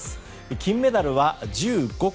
金メダルは１５個。